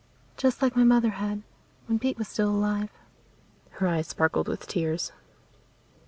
"Just like my mother had, when Pete was still alive." Her eyes sparkled with tears.